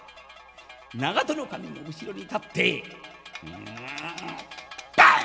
長門守の後ろに立ってうんバン！